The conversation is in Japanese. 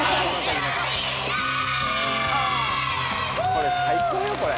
これ最高よこれ。